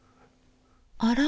あら？